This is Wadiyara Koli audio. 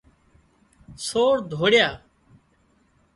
سور ڌوڙيا